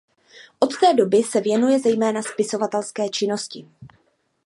Od té doby se věnuje zejména spisovatelské činnosti.